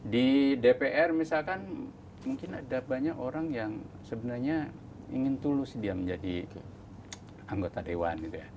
di dpr misalkan mungkin ada banyak orang yang sebenarnya ingin tulus dia menjadi anggota dewan gitu ya